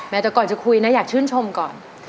แต่ก่อนจะคุยนะอยากชื่นชมก่อน